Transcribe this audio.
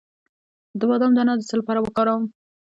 د بادام دانه د څه لپاره وکاروم؟